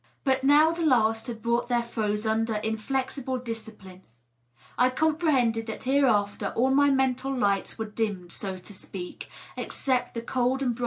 But now the last had brought their foes under iraexible discipline. I comprehended that hereafter all my mental lights were dimmed, so to speak, except the cold and bright one of reason.